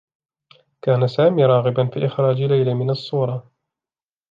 كان سامي راغبا في إخراج ليلى من الصّورة.